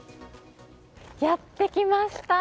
やってきました。